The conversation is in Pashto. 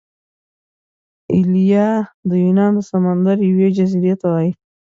ایلیا د یونان د سمندر یوې جزیرې ته وايي.